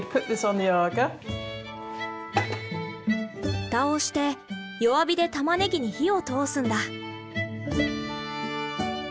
フタをして弱火でタマネギに火を通すんだ。